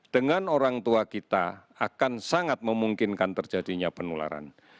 dengan orang tua kita akan sangat memungkinkan terjadinya penularan